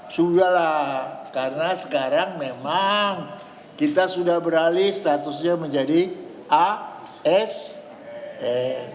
sudahlah karena sekarang memang kita sudah beralih statusnya menjadi asn